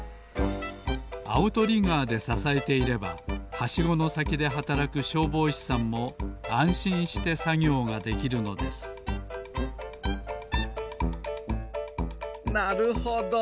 アウトリガーでささえていればはしごのさきではたらくしょうぼうしさんもあんしんしてさぎょうができるのですなるほど。